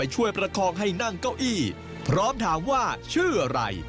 ให้นั่งเก้าอี้พร้อมถามว่าชื่ออะไร